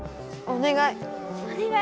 お願い！